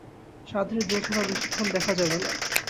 সাধের জোছনা বেশিক্ষণ দেখা যাবেনা।